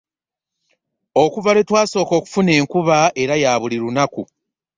Okuva lwe twasooka okufuna enkuba era ya buli lunaku.